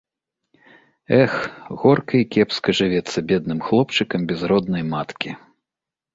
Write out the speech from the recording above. Эх, горка і кепска жывецца бедным хлопчыкам без роднай маткі!